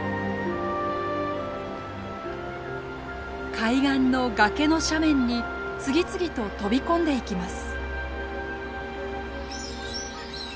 海岸の崖の斜面に次々と飛び込んでいきます。